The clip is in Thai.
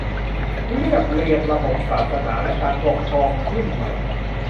เรียบเรียงระบบศาสนาและการปกครองขึ้นใหม่